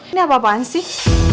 ini apa apaan sih